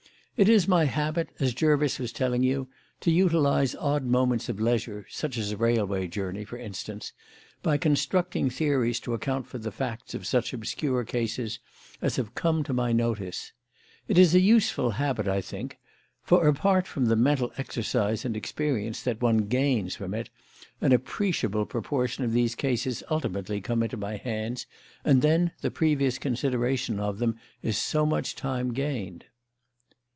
It is my habit, as Jervis was telling you, to utilise odd moments of leisure (such as a railway journey, for instance) by constructing theories to account for the facts of such obscure cases as have come to my notice. It is a useful habit, I think, for, apart from the mental exercise and experience that one gains from it, an appreciable proportion of these cases ultimately come into my hands, and then the previous consideration of them is so much time gained."